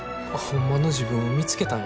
ホンマの自分を見つけたんやな。